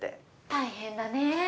大変だね。